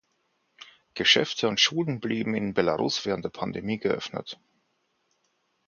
Geschäfte und Schulen blieben in Belarus während der Pandemie geöffnet.